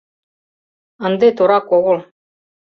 — Ынде торак огыл.